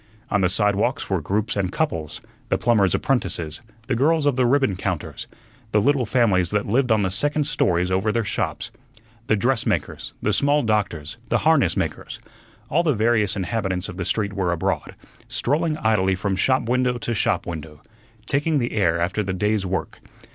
On the sidewalks were groups and couples the plumbers' apprentices, the girls of the ribbon counters, the little families that lived on the second stories over their shops, the dressmakers, the small doctors, the harness makers all the various inhabitants of the street were abroad, strolling idly from shop window to shop window, taking the air after the day's work.